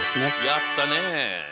やったね。